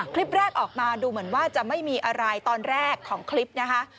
คลิปแรกออกมาดูเหมือนว่าจะไม่มีอะไรตอนแรกของคลิปนะคะ